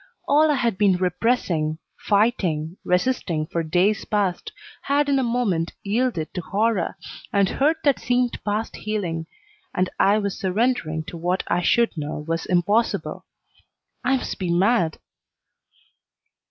All I had been repressing, fighting, resisting for days past, had in a moment yielded to horror, and hurt that seemed past healing, and I was surrendering to what I should know was impossible. I must be mad!